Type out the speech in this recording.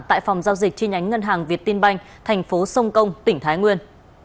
tại phòng giao dịch trên nhánh ngân hàng việt tinh banh thành phố sông công tỉnh thái nguyên